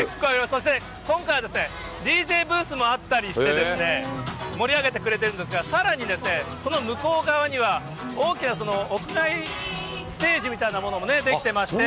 そして、今回はＤＪブースもあったりして、盛り上げてくれてるんですが、さらにですね、その向こう側には、大きな屋外ステージみたいなのも出来てまして。